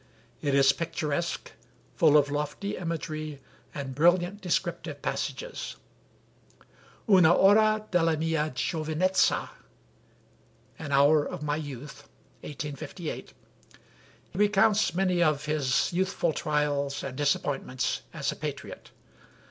It is picturesque, full of lofty imagery and brilliant descriptive passages. 'Una Ora della mia Giovinezza' (An Hour of My Youth: 1858) recounts many of his youthful trials and disappointments as a patriot.